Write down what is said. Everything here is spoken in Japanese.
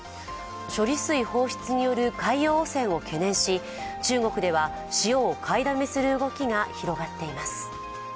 処理水放出による海洋汚染を懸念し、中国では塩を買いだめする動きが広がっています。